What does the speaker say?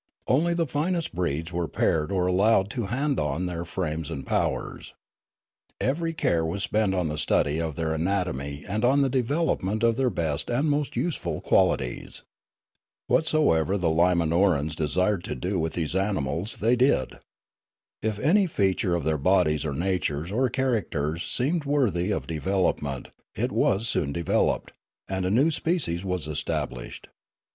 Only the finest breeds were paired or allowed to hand on their frames and powers. Every care was spent on the study of their anatomy and on the development of their best and most useful qualities. Whatsoever the Limanorans desired to do with these animals they did. If any feature of their bodies or natures or characters seemed worthy of de velopment, it was soon developed, and a new species was established.